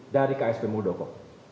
dari ksp muldoko